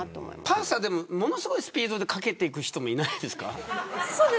パーサーさんものすごいスピードで駆けていく人もいないですか。